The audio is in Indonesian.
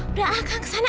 udah ah kang kesana